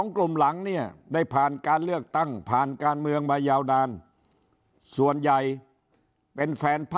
คิดเป็น๔